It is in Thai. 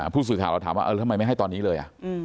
ผู้สื่อข่าวเราถามว่าทำไมไม่ให้ตอนนี้เลย